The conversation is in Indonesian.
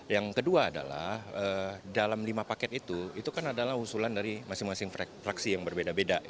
yang kedua adalah dalam lima paket itu itu kan adalah usulan dari masing masing fraksi yang berbeda beda